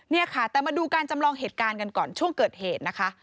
เนี่ยค่ะแต่มาดูการจำลองเหตุการณ์กันก่อนช่วงเกิดเหตุนะคะ